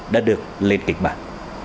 đã được lên kịch bản